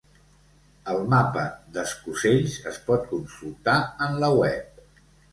El mapa d’escocells es pot consultar en la web.